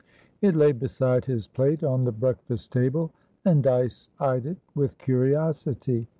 It lay beside his plate on the breakfast table, and Dyce eyed it with curiosity.